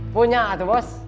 punya atu bos